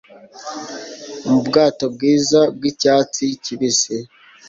mu bwato bwiza bw'icyatsi kibisi